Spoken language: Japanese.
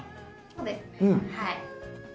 そうですねはい。